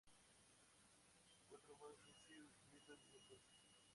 Cuatro más han sido descubiertas desde entonces.